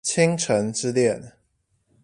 傾城之戀